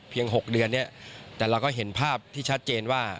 เพียง๖เดือนแต่เราก็เห็นภาพที่ชัดเจนว่า